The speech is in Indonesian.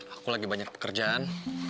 aku lagi banyak pekerjaan